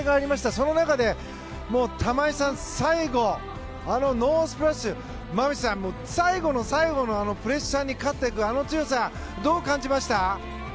その中で玉井さん最後あのノースプラッシュ馬淵さん、最後の最後のプレッシャーに勝っていくあの強さ、どう感じました？